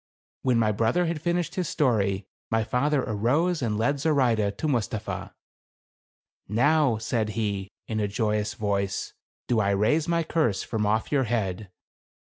When my brother had finished his story, my father arose and led Zoraide to Mustapha. " Now," said he, in a joyous voice, "do I raise my curse from off your head.